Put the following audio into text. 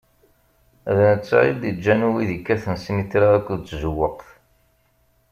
D netta i d-iǧǧan wid ikkaten snitra akked tjewwaqt.